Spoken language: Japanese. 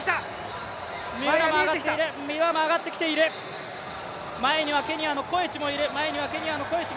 三浦も上がってきている、前にはケニアのコエチもいる。